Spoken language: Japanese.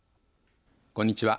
こんにちは。